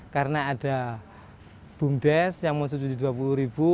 karena ada bumdes yang mau rp tujuh puluh